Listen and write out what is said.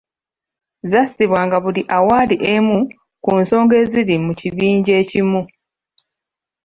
Zassibwanga buli awali emu ku nsonga eziri mu kibinja ekimu.